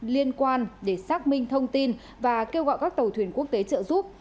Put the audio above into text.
liên quan để xác minh thông tin và kêu gọi các tàu thuyền quốc tế trợ giúp